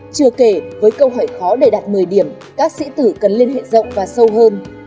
chưa kể với câu hỏi khó để đạt một mươi điểm các sĩ tử cần liên hệ rộng và sâu hơn